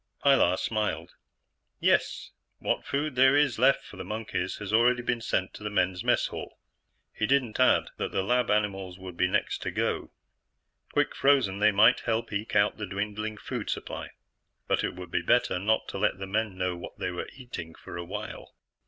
Pilar smiled. "Yes. What food there is left for the monkeys has already been sent to the men's mess hall." He didn't add that the lab animals would be the next to go. Quick frozen, they might help eke out the dwindling food supply, but it would be better not to let the men know what they were eating for a while.